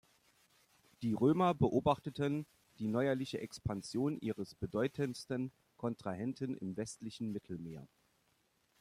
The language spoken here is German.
Die Römer beobachteten die neuerliche Expansion ihres bedeutendsten Kontrahenten im westlichen Mittelmeer.